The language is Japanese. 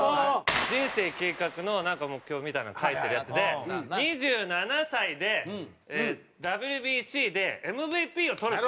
人生計画の目標みたいなの書いてるやつで２７歳でＷＢＣでＭＶＰをとるって。